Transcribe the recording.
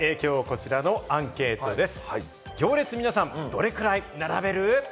今日はこちらのアンケートです。